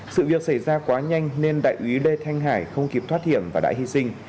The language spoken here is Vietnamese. sự việc xảy ra quá nhanh nên đại úy lê thanh hải không kịp thoát hiểm và đã hy sinh